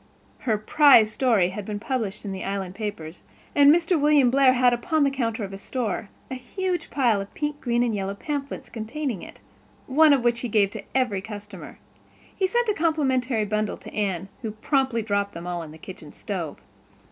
Her prize story had been published in the Island papers; and Mr. William Blair had, upon the counter of his store, a huge pile of pink, green and yellow pamphlets, containing it, one of which he gave to every customer. He sent a complimentary bundle to Anne, who promptly dropped them all in the kitchen stove.